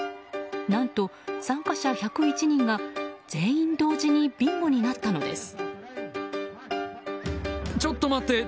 何と参加者１０１人が全員同時にビンゴになったのです。